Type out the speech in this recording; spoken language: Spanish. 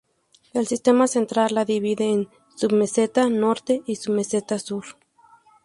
El sistema Central la divide en Submeseta norte y Submeseta sur.